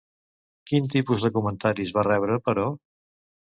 Quins tipus de comentaris va rebre, però?